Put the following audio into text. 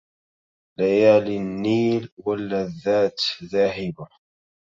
ليالي النيل واللذات ذاهبة